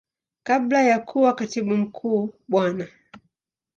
Kabla ya kuwa Katibu Mkuu Bwana.